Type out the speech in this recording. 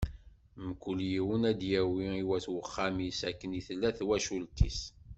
Mkul yiwen ad d-yawi i wat uxxam-is, akken i tella twacult-is.